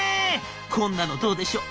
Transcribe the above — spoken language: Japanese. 「こんなのどうでしょう？